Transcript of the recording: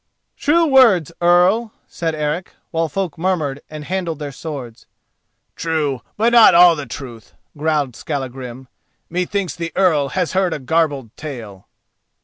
"True words, Earl," said Eric, while folk murmured and handled their swords. "True, but not all the truth," growled Skallagrim. "Methinks the Earl has heard a garbled tale."